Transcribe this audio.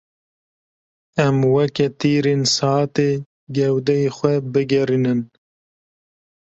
Em weke tîrên saetê gewdeyê xwe bigerînin.